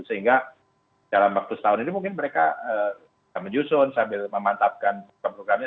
sehingga dalam waktu setahun ini mungkin mereka bisa menyusun sambil memantapkan programnya